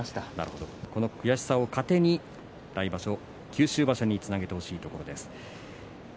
その悔しさを糧に九州場所につなげてほしいものです。